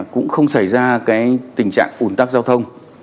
cũng không xảy ra tình trạng ủn tắc giao thông